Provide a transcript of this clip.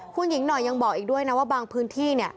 คุณหญิงหน่อยยังบอกอีกด้วยนะว่าบางพื้นที่เนี่ย